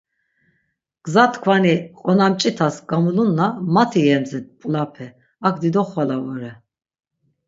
Gza tkvani qonamç̌itas gamulunna mati yemzdit mp̌ulape, ak dido xvala vore.